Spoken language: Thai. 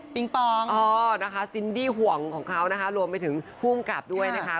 ปองอ๋อนะคะซินดี้ห่วงของเขานะคะรวมไปถึงภูมิกับด้วยนะคะ